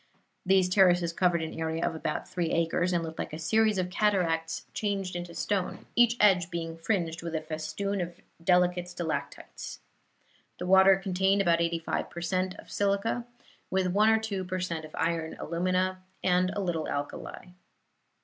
These terraces covered an area of about three acres, and looked like a series of cataracts changed into stone, each edge being fringed with a festoon of delicate stalactites. The water contained about eighty five per cent. of silica, with one or two per cent of iron alumina, and a little alkali.